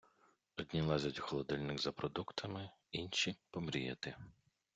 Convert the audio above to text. Одні лазять у холодильник за продуктами, інші — помріяти.